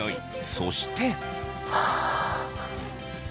そして。